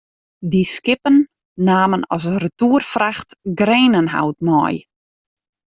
Dy skippen namen as retoerfracht grenenhout mei.